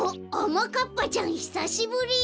まかっぱちゃんひさしぶり！